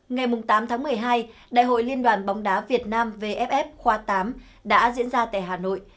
ngày tám tháng một mươi hai đại hội liên đoàn bóng đá việt nam vff khoa tám đã diễn ra tại hà nội